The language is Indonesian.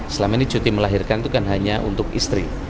selama ini cuti melahirkan itu kan hanya untuk istri